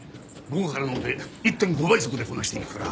午後からのオペ１．５倍速でこなして行くから。